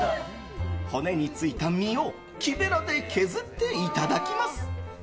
骨についた身を木べらで削っていただきます。